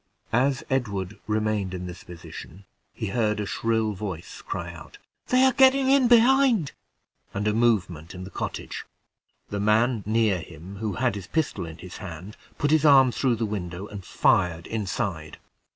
As Edward remained in this position, he heard a shrill voice cry out, "They are getting in behind!" and a movement in cottage. The man near him, who had his pistol in his hand, put his arm through the window and fired inside.